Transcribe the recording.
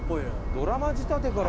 ドラマ仕立てから。